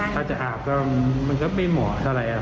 ถ้าจะอาบก็ไม่เหมาะกันมาก